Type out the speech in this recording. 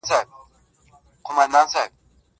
o بيا دي توري سترگي زما پر لوري نه کړې.